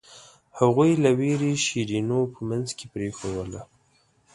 هغوی له وېرې شیرینو په منځ کې پرېښووله.